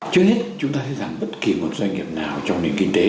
trước hết chúng ta thấy rằng bất kỳ một doanh nghiệp nào trong nền kinh tế